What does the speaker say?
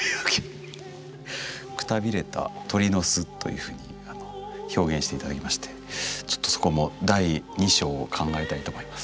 「くたびれた鳥の巣」というふうに表現して頂きましてちょっとそこも第二章を考えたいと思います。